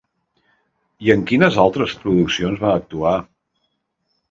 I en quines altres produccions va actuar?